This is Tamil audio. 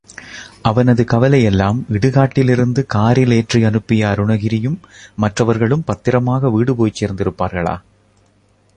அவனது கவலையெல்லாம் இடுகாட்டிலிருந்து காரில் ஏற்றி அனுப்பிய அருணகிரியும், மற்றவர்களும் பத்திரமாக வீடு போய்ச் சேர்ந்திருப்பார்களா?